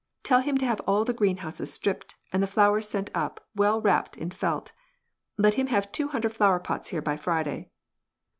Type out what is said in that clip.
Tell him to have all the greenhouses stripped, md the flowers sent up, well wrapped in felt. Let him have wo hundred flower pots here by Friday.